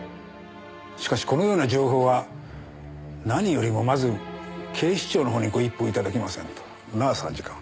しかしこのような情報は何よりもまず警視庁の方にご一報頂きませんと。なあ参事官。